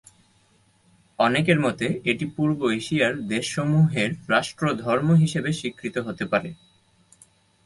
অনেকের মতে এটি পূর্ব এশিয়ার দেশসমূহের রাষ্ট্র ধর্ম হিসেবে স্বীকৃত হতে পারে।